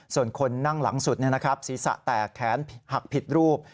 ส่วนคนนั่งหลังสุดศีรษะแตกแขนหักผิดรูป